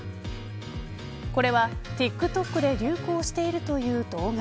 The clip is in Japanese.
これは、ＴｉｋＴｏｋで流行しているという動画。